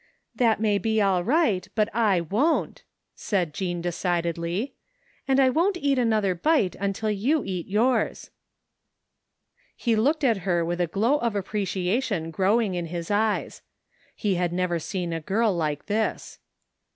" That may be all right, but I won't, '^ said Jean de cidedly, "and I won't eat another bite imtil you eat yours." He looked at her with the glow of appreciation growing in his eyes. He never had seen a girl like this.